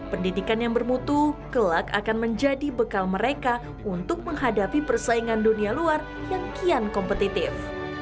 pendidikan yang bermutu kelak akan menjadi bekal mereka untuk menghadapi persaingan dunia luar yang kian kompetitif